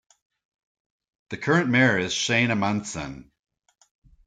The current mayor is Shane Amundson.